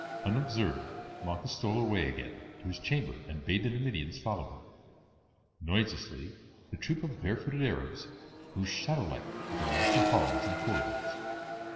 Unobserved Malchus stole away again to his chamber and bade the Numidians follow him. Noiselessly the troop of barefooted Arabs moved shadowlike through the lofty halls and corridors.